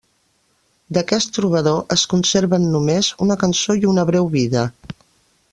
D'aquest trobador es conserven només una cançó i una breu vida.